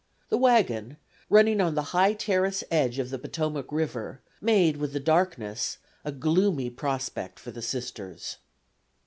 The wagon, running on the high terrace edge of the Potomac River, made, with the darkness, a gloomy prospect for the Sisters.